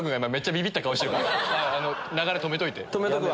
流れ止めといて。